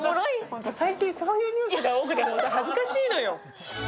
ほんと、最近そういうニュースが多くて恥ずかしいのよ。